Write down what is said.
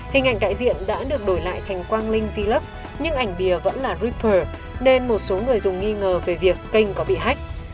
hình ảnh đại diện đã được đổi lại thành quang linh vlube nhưng ảnh bìa vẫn là reatter nên một số người dùng nghi ngờ về việc kênh có bị hách